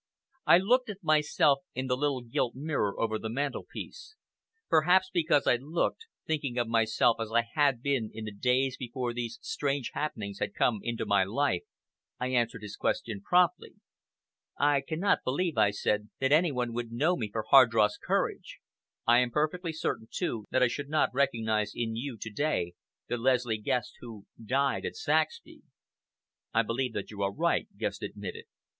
I looked at myself in the little gilt mirror over the mantel piece. Perhaps because I looked, thinking of myself as I had been in the days before these strange happenings had come into my life, I answered his question promptly. "I cannot believe," I said, "that any one would know me for Hardross Courage. I am perfectly certain, too, that I should not recognize in you to day the Leslie Guest who died at Saxby." "I believe that you are right," Guest admitted.